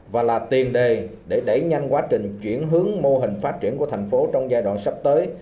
và là tiền đề để đẩy nhanh quá trình chuyển hướng mô hình phát triển của thành phố trong giai đoạn sắp tới